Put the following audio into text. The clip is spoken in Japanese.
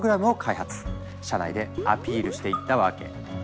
社内でアピールしていったわけ。